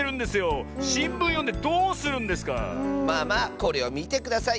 まあまあこれをみてください。